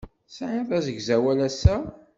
Tesɛiḍ asegzawal ass-a?